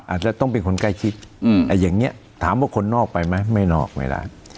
อาจจะต้องเป็นคนใกล้ชิดอย่างนี้ถามว่าคนนอกไปไหมไม่นอกไม่ได้